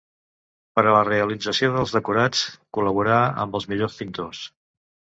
Per a la realització dels decorats col·laborarà amb els millors pintors.